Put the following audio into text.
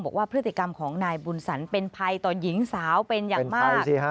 บอกว่าพฤติกรรมของนายบุญสรรเป็นภัยต่อหญิงสาวเป็นอย่างมาก